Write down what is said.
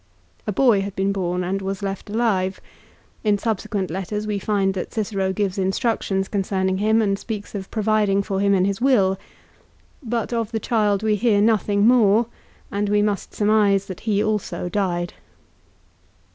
2 A boy had been born and was left alive. In subsequent letters we find that Cicero gives instructions concerning him, and speaks of providing for him in his will. 3 But of the child we hear nothing more, and must surmise that he also died.